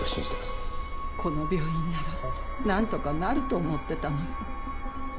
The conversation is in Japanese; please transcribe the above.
この病院ならなんとかなると思ってたのよ。